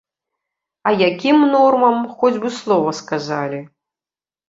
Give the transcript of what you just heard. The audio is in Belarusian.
А якім нормам, хоць бы слова сказалі.